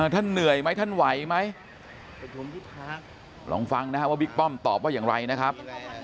เหนื่อยไหมท่านไหวไหมลองฟังนะครับว่าบิ๊กป้อมตอบว่าอย่างไรนะครับ